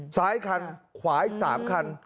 ซ้ายคันขวาอีก๓คัน